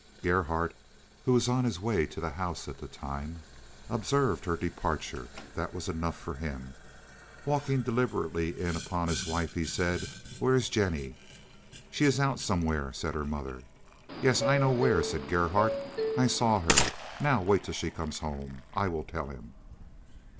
Gerhardt, who was on his way to the house at the time, observed her departure. That was enough for him. Walking deliberately in upon his wife, he said: "Where is Jennie?" "She is out somewhere," said her mother. "Yes, I know where," said Gerhardt. "I saw her. Now wait till she comes home. I will tell him."